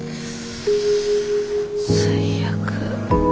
最悪。